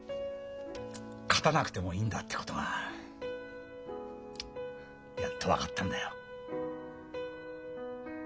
勝たなくてもいいんだってことがやっと分かったんだよ。